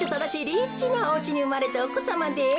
リッチなおうちにうまれたおこさまです。